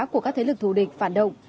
của các thế lực thù địch phản động